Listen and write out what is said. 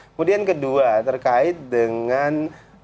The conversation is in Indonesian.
kemudian kedua terkait dengan